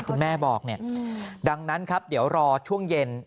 คุณแม่บอกเนี่ยดังนั้นครับเดี๋ยวรอช่วงเย็น